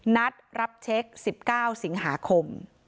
นัดรับเช็ค๑๙สิงหาคม